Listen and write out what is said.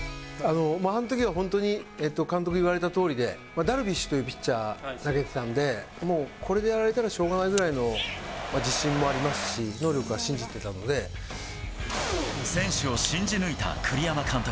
あのときは本当に、監督に言われたとおりで、ダルビッシュというピッチャーが投げてたんで、もうこれでやられたらしょうがないぐらいの自信もありますし、選手を信じ抜いた栗山監督。